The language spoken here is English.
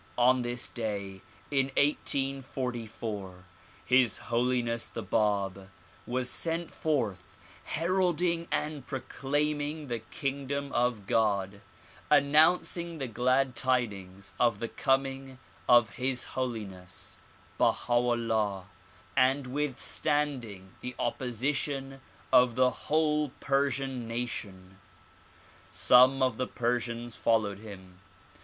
On this day in 1844 His Holiness the Bab was sent forth heralding and proclaiming the kingdom of God, an nouncing the glad tidings of the coming of His Holiness Baha 'Ullah and withstanding the opposition of the whole Persian nation. Some of the Persians followed him.